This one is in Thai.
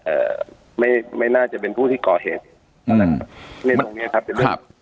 เอ่อไม่ไม่น่าจะเป็นผู้ที่ก่อเหตุอืมในตรงนี้ครับครับ